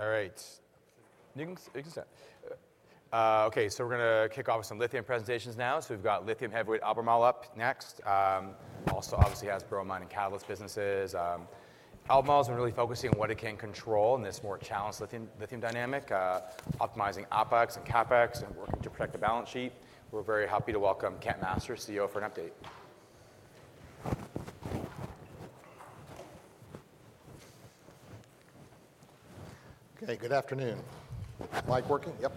All right. Okay, so we're going to kick off with some lithium presentations now. So we've got lithium heavyweight Albemarle up next. Also, obviously, has bromine and catalyst businesses. Albemarle has been really focusing on what it can control in this more challenged lithium dynamic, optimizing OpEx and CapEx, and working to protect the balance sheet. We're very happy to welcome Kent Masters, CEO, for an update. Okay, good afternoon. Mic working? Yep.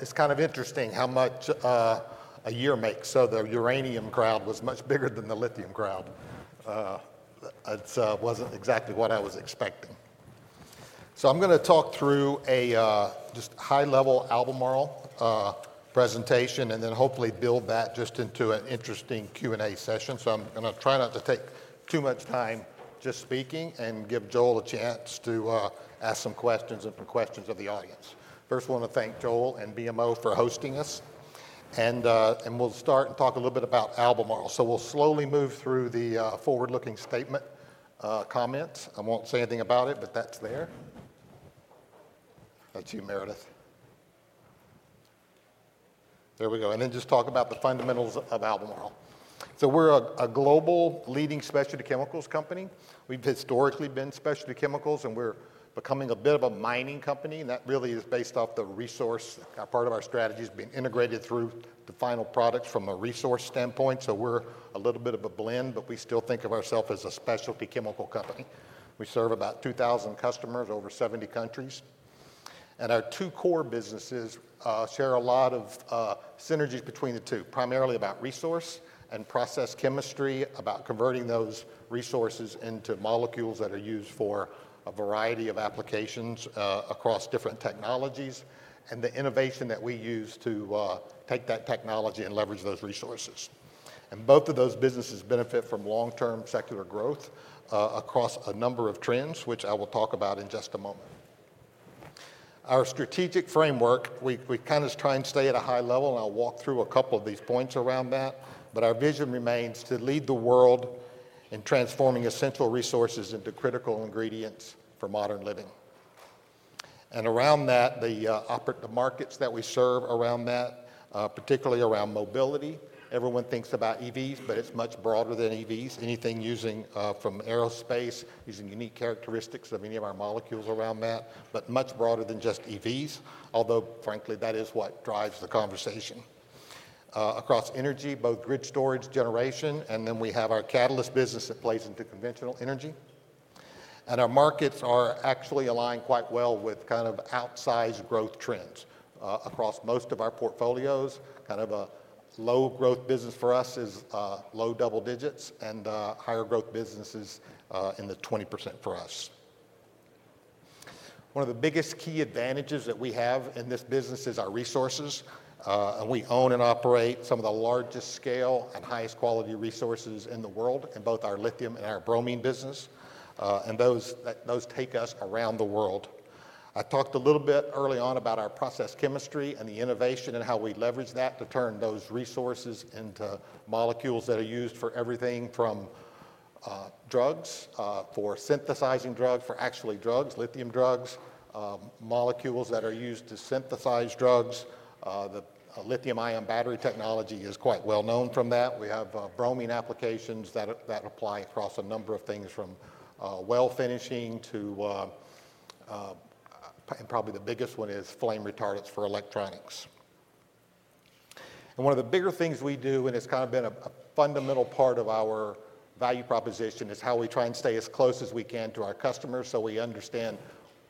It's kind of interesting how much a year makes. The uranium crowd was much bigger than the lithium crowd. It wasn't exactly what I was expecting. I'm going to talk through a just high-level Albemarle presentation and then hopefully build that just into an interesting Q&A session. I'm going to try not to take too much time just speaking and give Joel a chance to ask some questions and put questions of the audience. First, I want to thank Joel and BMO for hosting us. We'll start and talk a little bit about Albemarle. We'll slowly move through the forward-looking statement comments. I won't say anything about it, but that's there. That's you, Meredith. There we go. Just talk about the fundamentals of Albemarle. We're a global leading specialty chemicals company. We've historically been specialty chemicals, and we're becoming a bit of a mining company, and that really is based off the resource part of our strategy has been integrated through the final products from a resource standpoint, so we're a little bit of a blend, but we still think of ourselves as a specialty chemical company. We serve about 2,000 customers over 70 countries, and our two core businesses share a lot of synergies between the two, primarily about resource and process chemistry, about converting those resources into molecules that are used for a variety of applications across different technologies, and the innovation that we use to take that technology and leverage those resources, and both of those businesses benefit from long-term secular growth across a number of trends, which I will talk about in just a moment. Our strategic framework, we kind of try and stay at a high level, and I'll walk through a couple of these points around that. But our vision remains to lead the world in transforming essential resources into critical ingredients for modern living. And around that, the markets that we serve around that, particularly around mobility, everyone thinks about EVs, but it's much broader than EVs. Anything using from aerospace, using unique characteristics of any of our molecules around that, but much broader than just EVs, although frankly, that is what drives the conversation. Across energy, both grid storage generation, and then we have our catalyst business that plays into conventional energy. And our markets are actually aligned quite well with kind of outsized growth trends across most of our portfolios. Kind of a low growth business for us is low double digits, and higher growth business is in the 20% for us. One of the biggest key advantages that we have in this business is our resources. We own and operate some of the largest scale and highest quality resources in the world in both our lithium and our bromine business. And those take us around the world. I talked a little bit early on about our process chemistry and the innovation and how we leverage that to turn those resources into molecules that are used for everything from drugs for synthesizing drugs for actually drugs, lithium drugs, molecules that are used to synthesize drugs. The lithium-ion battery technology is quite well known from that. We have bromine applications that apply across a number of things from well finishing to, and probably the biggest one is flame retardants for electronics. And one of the bigger things we do, and it's kind of been a fundamental part of our value proposition, is how we try and stay as close as we can to our customers so we understand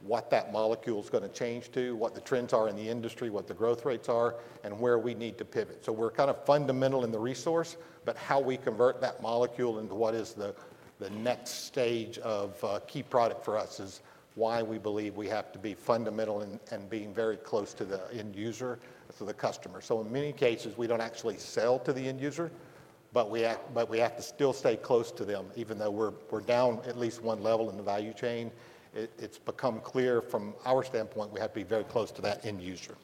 what that molecule is going to change to, what the trends are in the industry, what the growth rates are, and where we need to pivot. So we're kind of fundamental in the resource, but how we convert that molecule into what is the next stage of key product for us is why we believe we have to be fundamental in being very close to the end user, to the customer. So in many cases, we don't actually sell to the end user, but we have to still stay close to them. Even though we're down at least one level in the value chain, it's become clear from our standpoint we have to be very close to that end user.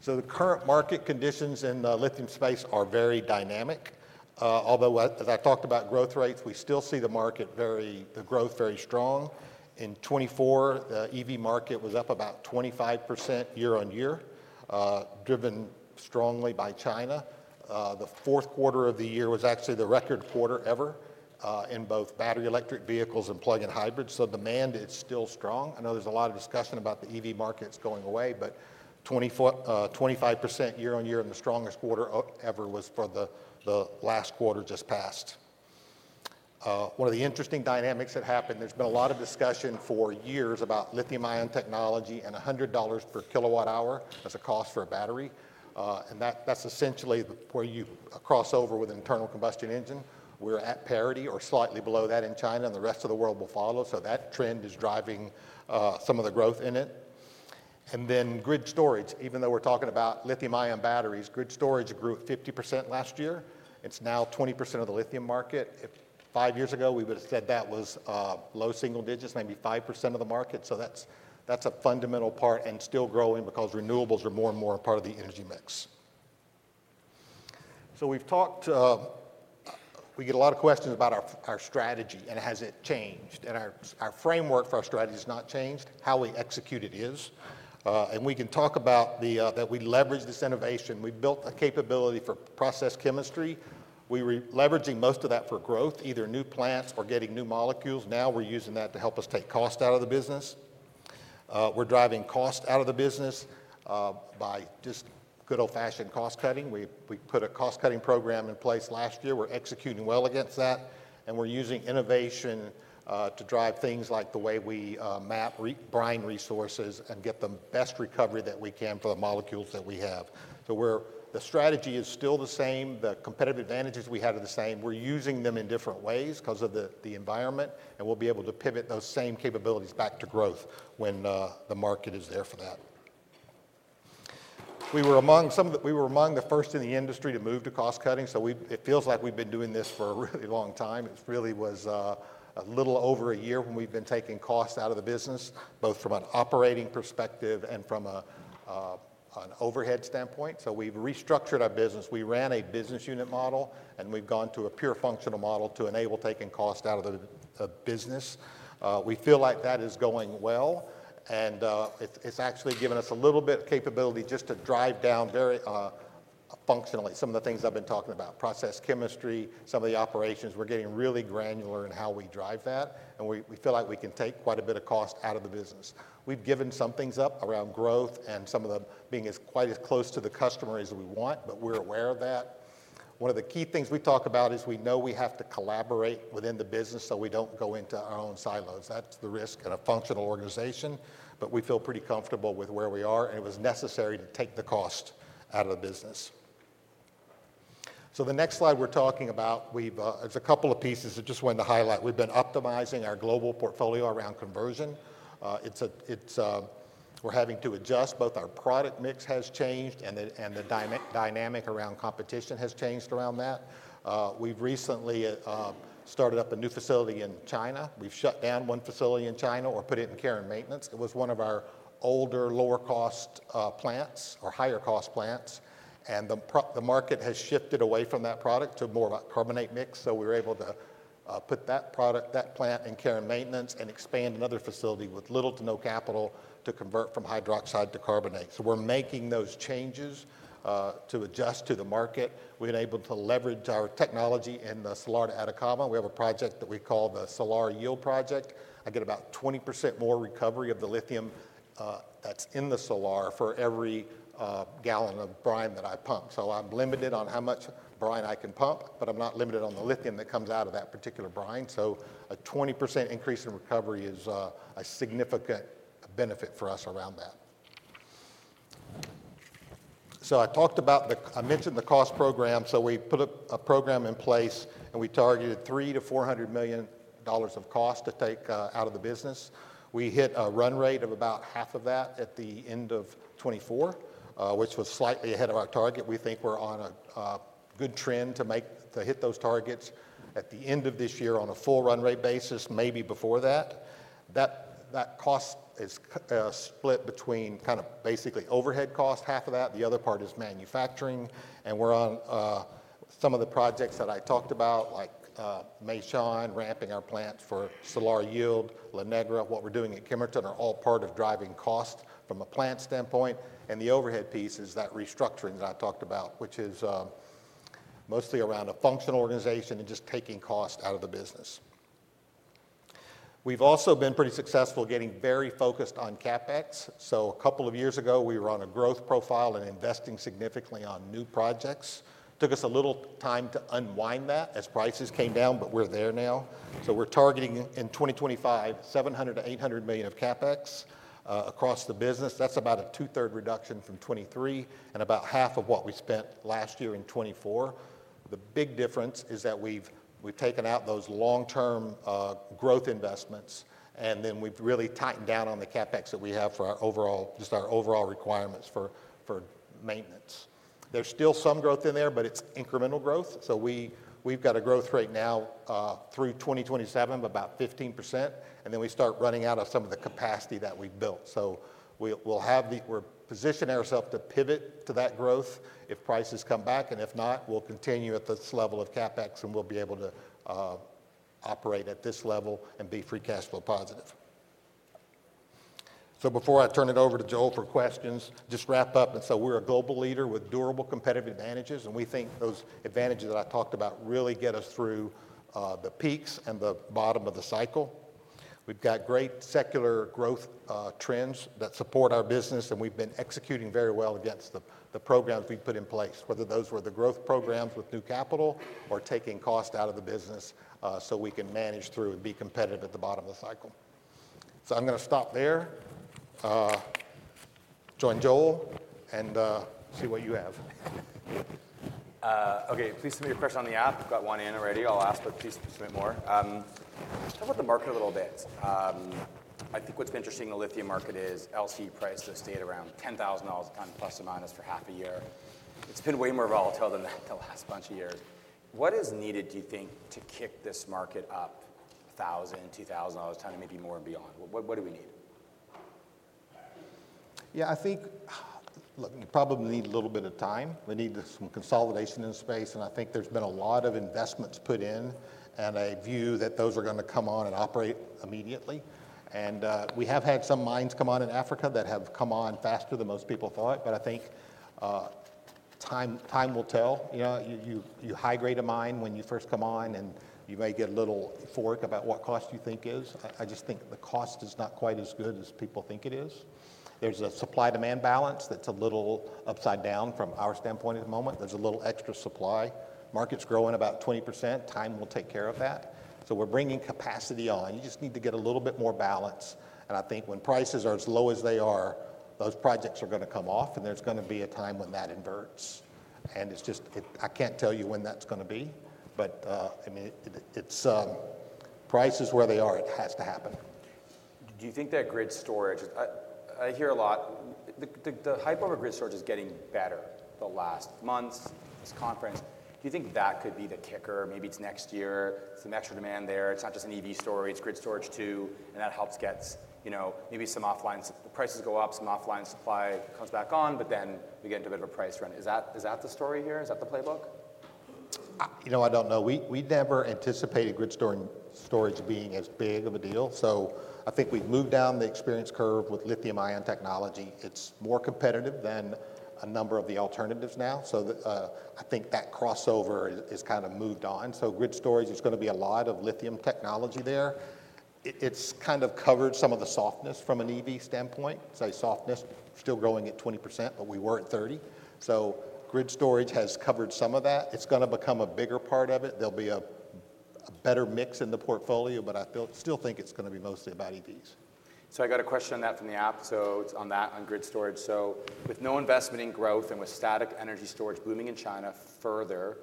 So the current market conditions in the lithium space are very dynamic. Although, as I talked about growth rates, we still see the growth very strong. In 2024, the EV market was up about 25% year on year, driven strongly by China. The fourth quarter of the year was actually the record quarter ever in both battery electric vehicles and plug-in hybrids. So demand is still strong. I know there's a lot of discussion about the EV markets going away, but 25% year on year in the strongest quarter ever was for the last quarter just passed. One of the interesting dynamics that happened. There's been a lot of discussion for years about lithium-ion technology and $100 per kilowatt hour as a cost for a battery. And that's essentially where you cross over with an internal combustion engine. We're at parity or slightly below that in China, and the rest of the world will follow. So that trend is driving some of the growth in it. And then grid storage, even though we're talking about lithium-ion batteries, grid storage grew at 50% last year. It's now 20% of the lithium market. Five years ago, we would have said that was low single digits, maybe 5% of the market. So that's a fundamental part and still growing because renewables are more and more a part of the energy mix. So we've talked. We get a lot of questions about our strategy and has it changed. Our framework for our strategy has not changed. How we execute it is. We can talk about that we leverage this innovation. We built a capability for process chemistry. We were leveraging most of that for growth, either new plants or getting new molecules. Now we're using that to help us take cost out of the business. We're driving cost out of the business by just good old-fashioned cost cutting. We put a cost cutting program in place last year. We're executing well against that. We're using innovation to drive things like the way we map brine resources and get the best recovery that we can for the molecules that we have. The strategy is still the same. The competitive advantages we have are the same. We're using them in different ways because of the environment. And we'll be able to pivot those same capabilities back to growth when the market is there for that. We were among the first in the industry to move to cost cutting. So it feels like we've been doing this for a really long time. It really was a little over a year when we've been taking cost out of the business, both from an operating perspective and from an overhead standpoint. So we've restructured our business. We ran a business unit model, and we've gone to a pure functional model to enable taking cost out of the business. We feel like that is going well. And it's actually given us a little bit of capability just to drive down very functionally some of the things I've been talking about, process chemistry, some of the operations. We're getting really granular in how we drive that. We feel like we can take quite a bit of cost out of the business. We've given some things up around growth and some of them being quite as close to the customer as we want, but we're aware of that. One of the key things we talk about is we know we have to collaborate within the business so we don't go into our own silos. That's the risk in a functional organization. We feel pretty comfortable with where we are. It was necessary to take the cost out of the business. The next slide we're talking about, there's a couple of pieces that just wanted to highlight. We've been optimizing our global portfolio around conversion. We're having to adjust. Both our product mix has changed, and the dynamic around competition has changed around that. We've recently started up a new facility in China. We've shut down one facility in China or put it in care and maintenance. It was one of our older lower-cost plants or higher-cost plants, and the market has shifted away from that product to more of a carbonate mix, so we were able to put that plant in care and maintenance and expand another facility with little to no capital to convert from hydroxide to carbonate, so we're making those changes to adjust to the market. We've been able to leverage our technology in the Salar de Atacama. We have a project that we call the Salar Yield Project. I get about 20% more recovery of the lithium that's in the salar for every gallon of brine that I pump, so I'm limited on how much brine I can pump, but I'm not limited on the lithium that comes out of that particular brine. So a 20% increase in recovery is a significant benefit for us around that. So I talked about, I mentioned the cost program. So we put a program in place, and we targeted $300-$400 million of cost to take out of the business. We hit a run rate of about half of that at the end of 2024, which was slightly ahead of our target. We think we're on a good trend to hit those targets at the end of this year on a full run rate basis, maybe before that. That cost is split between kind of basically overhead cost, half of that. The other part is manufacturing. And we're on some of the projects that I talked about, like Meishan, ramping our plant for Salar Yield, La Negra, what we're doing at Kemerton are all part of driving cost from a plant standpoint. The overhead piece is that restructuring that I talked about, which is mostly around a functional organization and just taking cost out of the business. We've also been pretty successful getting very focused on CapEx. A couple of years ago, we were on a growth profile and investing significantly on new projects. Took us a little time to unwind that as prices came down, but we're there now. We're targeting in 2025, $700-$800 million of CapEx across the business. That's about a two-thirds reduction from 2023 and about half of what we spent last year in 2024. The big difference is that we've taken out those long-term growth investments, and then we've really tightened down on the CapEx that we have for just our overall requirements for maintenance. There's still some growth in there, but it's incremental growth. So we've got a growth rate now through 2027 of about 15%, and then we start running out of some of the capacity that we built. So we'll have, we're positioning ourselves to pivot to that growth if prices come back. And if not, we'll continue at this level of CapEx, and we'll be able to operate at this level and be free cash flow positive. So before I turn it over to Joel for questions, just wrap up. And so we're a global leader with durable competitive advantages, and we think those advantages that I talked about really get us through the peaks and the bottom of the cycle. We've got great secular growth trends that support our business, and we've been executing very well against the programs we've put in place, whether those were the growth programs with new capital or taking cost out of the business so we can manage through and be competitive at the bottom of the cycle. So I'm going to stop there. Join Joel and see what you have. Okay, please submit your question on the app. I've got one in already. I'll ask, but please submit more. Let's talk about the market a little bit. I think what's been interesting in the lithium market is LC prices stayed around $10,000 a ton plus or minus for half a year. It's been way more volatile than the last bunch of years. What is needed, do you think, to kick this market up $1,000, $2,000 a ton, maybe more and beyond? What do we need? Yeah, I think, look, we probably need a little bit of time. We need some consolidation in the space, and I think there's been a lot of investments put in, and I view that those are going to come on and operate immediately. And we have had some mines come on in Africa that have come on faster than most people thought, but I think time will tell. You high-grade a mine when you first come on, and you may get a little fork about what cost you think is. I just think the cost is not quite as good as people think it is. There's a supply-demand balance that's a little upside down from our standpoint at the moment. There's a little extra supply. Market's growing about 20%. Time will take care of that. So we're bringing capacity on. You just need to get a little bit more balance, and I think when prices are as low as they are, those projects are going to come off, and there's going to be a time when that inverts, and it's just, I can't tell you when that's going to be, but I mean, price is where they are. It has to happen. Do you think that grid storage? I hear a lot, the hype over grid storage is getting better the last months, this conference. Do you think that could be the kicker? Maybe it's next year, some extra demand there. It's not just an EV story. It's grid storage too, and that helps get maybe some offline, the prices go up, some offline supply comes back on, but then we get into a bit of a price run. Is that the story here? Is that the playbook? You know, I don't know. We never anticipated grid storage being as big of a deal. So I think we've moved down the experience curve with lithium-ion technology. It's more competitive than a number of the alternatives now. So I think that crossover is kind of moved on. So grid storage, there's going to be a lot of lithium technology there. It's kind of covered some of the softness from an EV standpoint. So softness, still growing at 20%, but we were at 30%. So grid storage has covered some of that. It's going to become a bigger part of it. There'll be a better mix in the portfolio, but I still think it's going to be mostly about EVs. So I got a question on that from the app. So it's on that, on grid storage. So with no investment in growth and with static energy storage booming in China further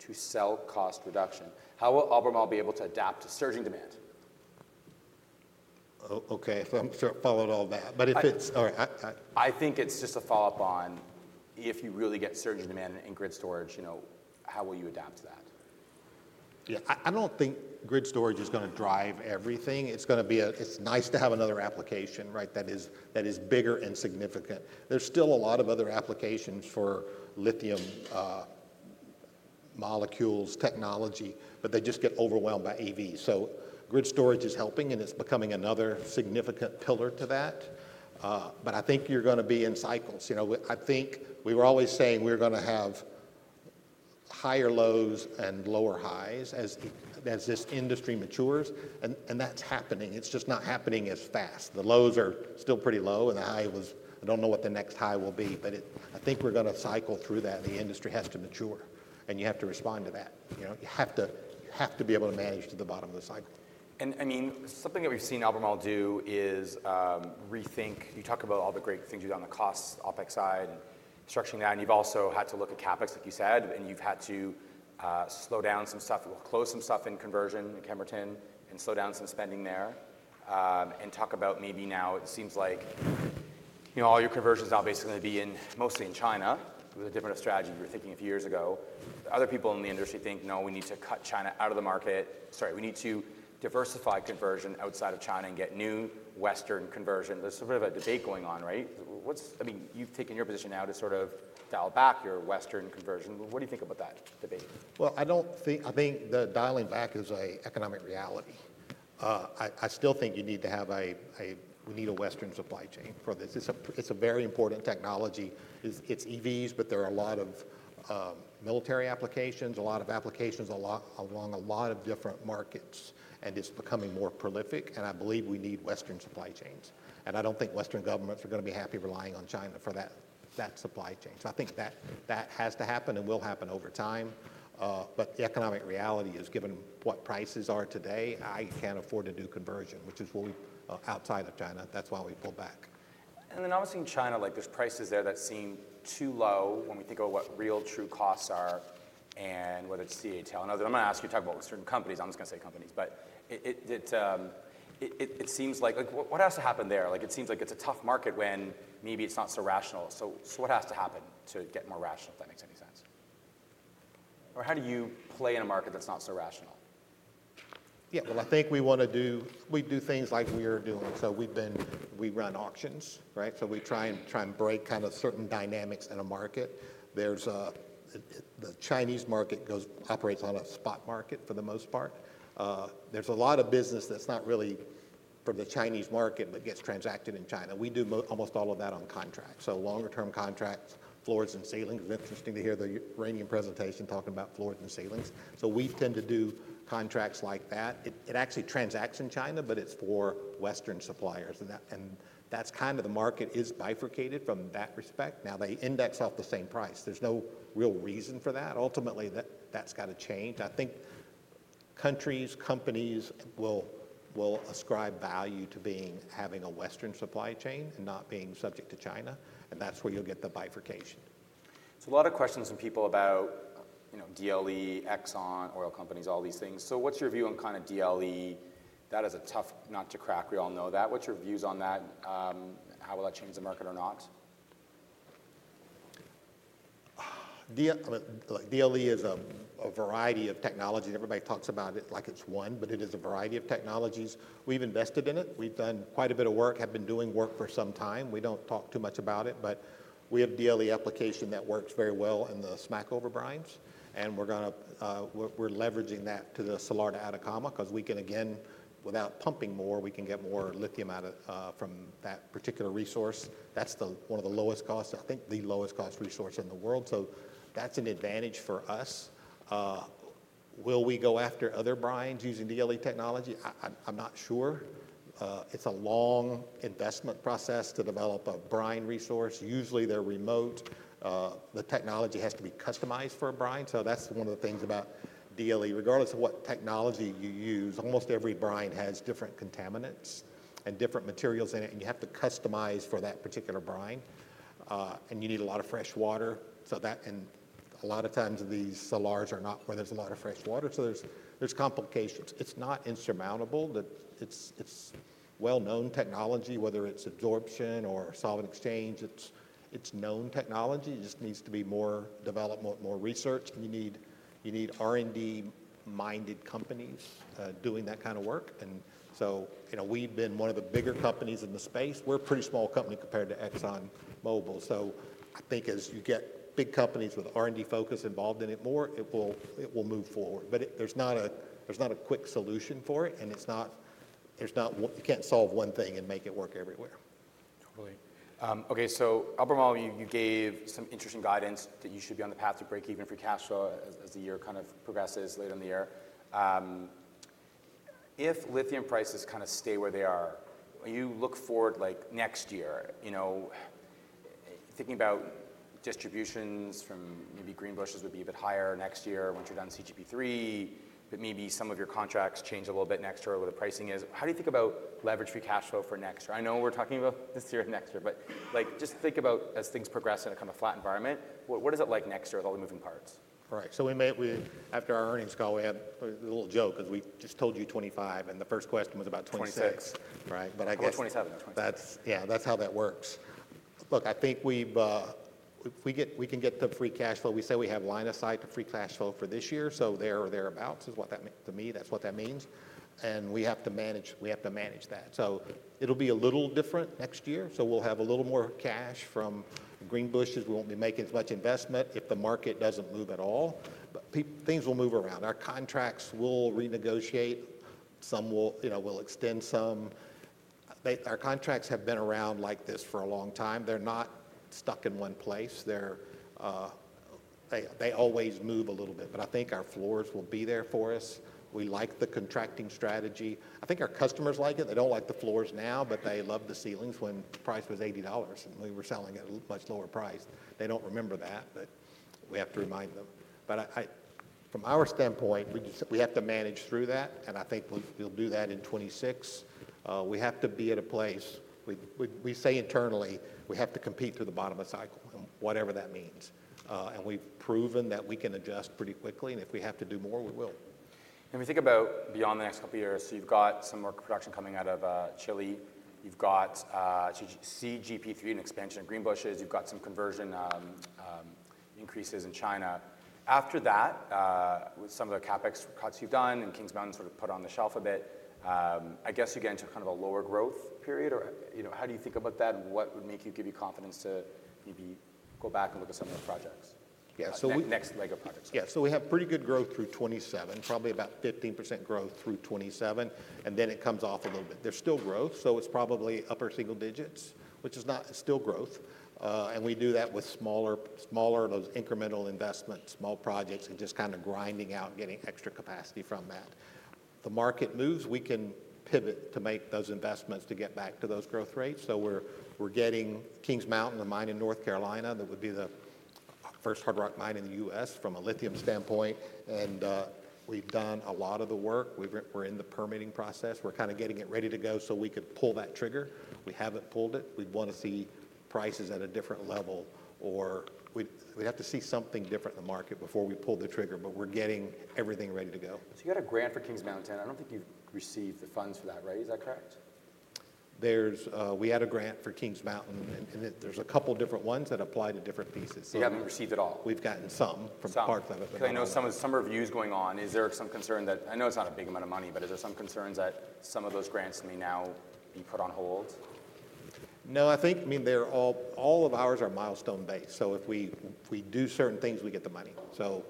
to sell cost reduction, how will Albemarle be able to adapt to surging demand? Okay, so I'm sure I followed all that, but if it's all right. I think it's just a follow-up on if you really get surge in demand in grid storage, how will you adapt to that? Yeah, I don't think grid storage is going to drive everything. It's going to be a. It's nice to have another application, right, that is bigger and significant. There's still a lot of other applications for lithium molecules technology, but they just get overwhelmed by EVs. So grid storage is helping, and it's becoming another significant pillar to that. But I think you're going to be in cycles. I think we were always saying we're going to have higher lows and lower highs as this industry matures, and that's happening. It's just not happening as fast. The lows are still pretty low, and the high was, I don't know what the next high will be, but I think we're going to cycle through that. The industry has to mature, and you have to respond to that. You have to be able to manage to the bottom of the cycle, and I mean, something that we've seen Albemarle do is rethink, you talk about all the great things you've done on the cost, OpEx side, and structuring that, and you've also had to look at CapEx, like you said, and you've had to slow down some stuff, close some stuff in conversion in Kemerton, and slow down some spending there. Talk about maybe now it seems like all your conversions now are basically going to be mostly in China. It was a different strategy you were thinking a few years ago. Other people in the industry think, no, we need to cut China out of the market. Sorry, we need to diversify conversion outside of China and get new Western conversion. There's sort of a debate going on, right? I mean, you've taken your position now to sort of dial back your Western conversion. What do you think about that debate? I think the dialing back is an economic reality. I still think you need to have a, we need a Western supply chain for this. It's a very important technology. It's EVs, but there are a lot of military applications, a lot of applications along a lot of different markets, and it's becoming more prolific. And I believe we need Western supply chains. And I don't think Western governments are going to be happy relying on China for that supply chain. So I think that has to happen and will happen over time. But the economic reality is given what prices are today, I can't afford to do conversion, which is what we outside of China. That's why we pull back. And then obviously in China, like there's prices there that seem too low when we think about what real true costs are and whether it's CATL. And I'm going to ask you to talk about certain companies. I'm just going to say companies, but it seems like what has to happen there? Like it seems like it's a tough market when maybe it's not so rational. So what has to happen to get more rational, if that makes any sense? Or how do you play in a market that's not so rational? Yeah, well, I think we want to do. We do things like we are doing. So we've been. We run auctions, right? So we try and break kind of certain dynamics in a market. The Chinese market operates on a spot market for the most part. There's a lot of business that's not really from the Chinese market, but gets transacted in China. We do almost all of that on contracts. So longer-term contracts, floors and ceilings. It's interesting to hear the Iranian presentation talking about floors and ceilings. So we tend to do contracts like that. It actually transacts in China, but it's for Western suppliers. And that's kind of the market is bifurcated in that respect. Now they index off the same price. There's no real reason for that. Ultimately, that's got to change. I think countries, companies will ascribe value to having a Western supply chain and not being subject to China, and that's where you'll get the bifurcation, So a lot of questions from people about DLE, Exxon, oil companies, all these things, so what's your view on kind of DLE? That is a tough nut to crack. We all know that. What's your views on that? How will that change the market or not? DLE is a variety of technologies. Everybody talks about it like it's one, but it is a variety of technologies. We've invested in it. We've done quite a bit of work, have been doing work for some time. We don't talk too much about it, but we have DLE application that works very well in the Smackover brines. And we're going to. We're leveraging that to the Salar de Atacama because we can again, without pumping more, we can get more lithium out of that particular resource. That's one of the lowest costs. I think the lowest cost resource in the world. So that's an advantage for us. Will we go after other brines using DLE technology? I'm not sure. It's a long investment process to develop a brine resource. Usually they're remote. The technology has to be customized for a brine. So that's one of the things about DLE. Regardless of what technology you use, almost every brine has different contaminants and different materials in it, and you have to customize for that particular brine. And you need a lot of fresh water. So that, and a lot of times these salars are not where there's a lot of fresh water. So there's complications. It's not insurmountable. It's well-known technology, whether it's adsorption or solvent exchange. It's known technology. It just needs to be more development, more research. And you need R&D-minded companies doing that kind of work. And so we've been one of the bigger companies in the space. We're a pretty small company compared to ExxonMobil. So I think as you get big companies with R&D focus involved in it more, it will move forward. But there's not a quick solution for it, and it's not, you can't solve one thing and make it work everywhere. Totally. Okay, so Albemarle, you gave some interesting guidance that you should be on the path to break even for cash flow as the year kind of progresses later in the year. If lithium prices kind of stay where they are, you look forward like next year, thinking about distributions from maybe Greenbushes would be a bit higher next year once you're done CGP3, but maybe some of your contracts change a little bit next year with the pricing is. How do you think about leverage free cash flow for next year? I know we're talking about this year and next year, but just think about as things progress in a kind of flat environment, what is it like next year with all the moving parts? Right, so we made, after our earnings call, we had a little joke because we just told you 2025, and the first question was about 2026. Right, but I guess. Or 2027. Yeah, that's how that works. Look, I think we can get the free cash flow. We say we have line of sight to free cash flow for this year. So there or thereabouts is what that means to me. That's what that means. And we have to manage that. So it'll be a little different next year. So we'll have a little more cash from Greenbushes. We won't be making as much investment if the market doesn't move at all. But things will move around. Our contracts will renegotiate. Some will extend some. Our contracts have been around like this for a long time. They're not stuck in one place. They always move a little bit, but I think our floors will be there for us. We like the contracting strategy. I think our customers like it. They don't like the floors now, but they love the ceilings when the price was $80 and we were selling at a much lower price. They don't remember that, but we have to remind them, but from our standpoint, we have to manage through that, and I think we'll do that in 2026. We have to be at a place. We say internally, we have to compete through the bottom of the cycle and whatever that means, and we've proven that we can adjust pretty quickly, and if we have to do more, we will, and we think about beyond the next couple of years, so you've got some more production coming out of Chile. You've got CGP3 and expansion of Greenbushes. You've got some conversion increases in China. After that, with some of the CapEx cuts you've done and Kings Mountain sort of put on the shelf a bit, I guess you get into kind of a lower growth period. How do you think about that? What would make you give you confidence to maybe go back and look at some of those projects? Yeah, so next leg of projects. Yeah, so we have pretty good growth through 2027, probably about 15% growth through 2027. And then it comes off a little bit. There's still growth. So it's probably upper single digits, which is not still growth. And we do that with smaller, those incremental investments, small projects and just kind of grinding out, getting extra capacity from that. The market moves, we can pivot to make those investments to get back to those growth rates. So we're getting Kings Mountain, a mine in North Carolina that would be the first hard rock mine in the U.S. from a lithium standpoint. And we've done a lot of the work. We're in the permitting process. We're kind of getting it ready to go so we could pull that trigger. We haven't pulled it. We'd want to see prices at a different level or we'd have to see something different in the market before we pull the trigger, but we're getting everything ready to go. So you had a grant for Kings Mountain. I don't think you've received the funds for that, right? Is that correct? We had a grant for Kings Mountain, and there's a couple of different ones that apply to different pieces. So you haven't received it all? We've gotten some from parts of it. Because I know some reviews going on. Is there some concern that I know it's not a big amount of money, but is there some concerns that some of those grants may now be put on hold? No, I think, I mean, all of ours are milestone-based. So if we do certain things, we get the money. So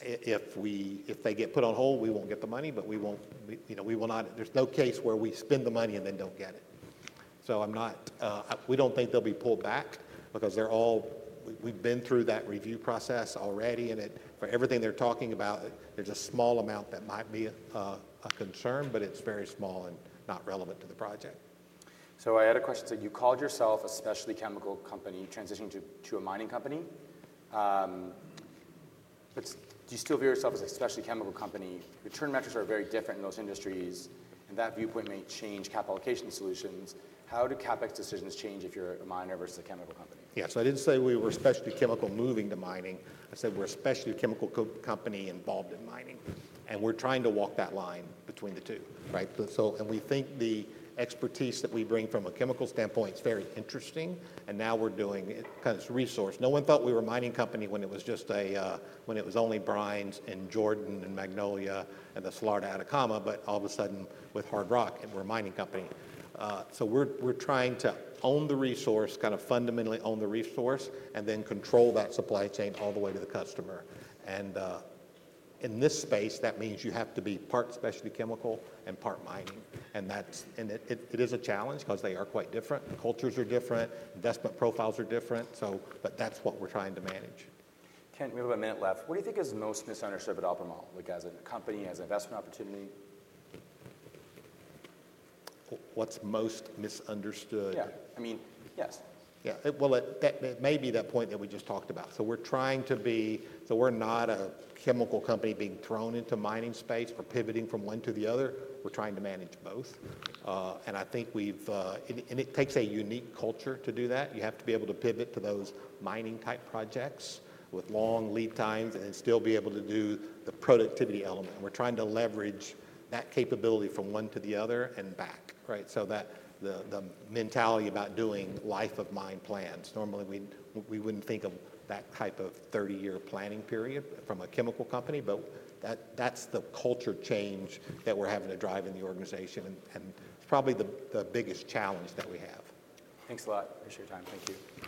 if they get put on hold, we won't get the money, but we won't. There's no case where we spend the money and then don't get it. So we don't think they'll be pulled back because we've been through that review process already. And for everything they're talking about, there's a small amount that might be a concern, but it's very small and not relevant to the project. So I had a question. So you called yourself a specialty chemical company transitioning to a mining company. Do you still view yourself as a specialty chemical company? Return metrics are very different in those industries, and that viewpoint may change capital allocation solutions. How do CapEx decisions change if you're a miner versus a chemical company? Yeah, so I didn't say we were a specialty chemical moving to mining. I said we're a specialty chemical company involved in mining. We're trying to walk that line between the two, right? We think the expertise that we bring from a chemical standpoint is very interesting. Now we're doing kind of resource. No one thought we were a mining company when it was just a, when it was only brines and Jordan and Magnolia and the Salar de Atacama, but all of a sudden with hard rock, we're a mining company. We're trying to own the resource, kind of fundamentally own the resource, and then control that supply chain all the way to the customer. In this space, that means you have to be part specialty chemical and part mining. It is a challenge because they are quite different. Cultures are different. Investment profiles are different. That's what we're trying to manage. Kent, we have a minute left. What do you think is most misunderstood about Albemarle as a company, as an investment opportunity? What's most misunderstood? Yeah, I mean, yes. Yeah, well, maybe that point that we just talked about. So we're trying to be, so we're not a chemical company being thrown into mining space or pivoting from one to the other. We're trying to manage both. And I think we've, and it takes a unique culture to do that. You have to be able to pivot to those mining type projects with long lead times and then still be able to do the productivity element. And we're trying to leverage that capability from one to the other and back, right? So the mentality about doing life of mine plans, normally we wouldn't think of that type of 30-year planning period from a chemical company, but that's the culture change that we're having to drive in the organization. And it's probably the biggest challenge that we have. Thanks a lot. Appreciate your time. Thank you.